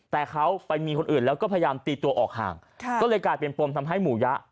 แต่เขาไปมีคนอื่นแล้วก็พยายามตีตัวออกห่างก็เลยกลายเป็นปมทำให้หมู่ยะ